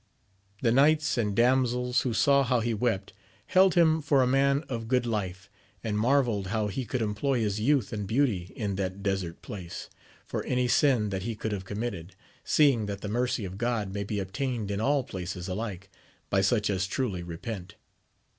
The knights and damsels, who saw how he wept, held him for a man of good life, and marvelled how he could employ his youth and beauty in that desert place, for any sin that he could have committed, seeing that the mercy of God may be obtained in all places alike, by such as truly repent.